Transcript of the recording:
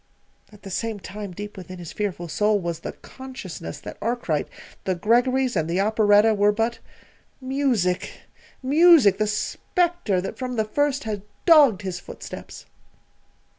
At the same time, deep within his fearful soul was the consciousness that Arkwright, the Greggorys, and the operetta were but Music Music, the spectre that from the first had dogged his footsteps.